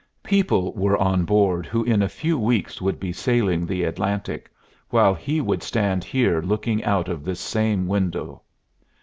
People were on board who in a few weeks would be sailing the Atlantic, while he would stand here looking out of this same window.